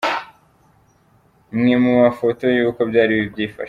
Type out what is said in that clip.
mwe mu mafoto y’uko byari byifashe :.